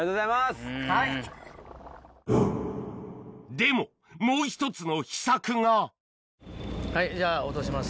でももう１つの秘策がはいじゃあ落とします。